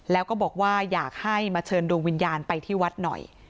แล้วก็บอกว่าอยากให้มาเชิญดวงวิญญาณไปที่วัดหน่อย